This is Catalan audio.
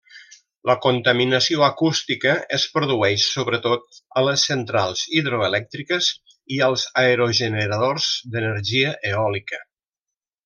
La contaminació acústica es produeix sobretot a les centrals hidroelèctriques i als aerogeneradors d'energia eòlica.